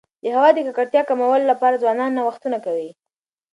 د هوا د ککړتیا د کمولو لپاره ځوانان نوښتونه کوي.